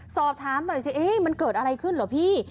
สอบถามหน่อยสิมันเกิดอะไรขึ้นเหรอพี่